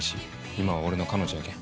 今は俺の彼女やけん。